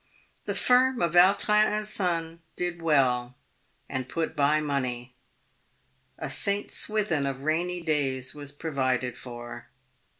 The firm of Vautrin and Son did well, and put by money. A St. S within of rainy days was pro vided for.